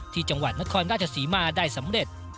ที่จังหวัดนครราชศรีมาได้สำเร็จ